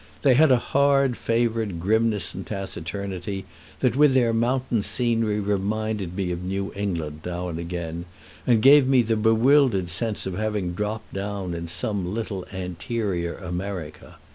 They had a hard favored grimness and taciturnity that with their mountain scenery reminded me of New England now and again, and gave me the bewildered sense of having dropped down in some little anterior America.